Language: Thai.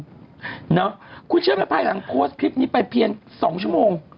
เนาะคุณเชื่อไหมภายหลังโพสต์คลิปนี้ไปเพียง๒ชั่วโมง